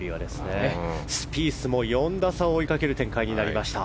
スピースも、４打差を追いかける展開になりました。